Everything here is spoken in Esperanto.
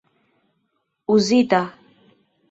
uzita